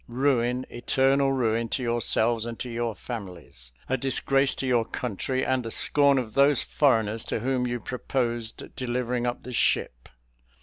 Ruin, eternal ruin, to yourselves and to your families; a disgrace to your country, and the scorn of those foreigners to whom you proposed delivering up the ship.